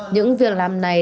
những việc làm này